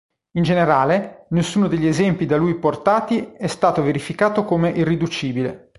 In generale, nessuno degli esempi da lui portati è stato verificato come irriducibile.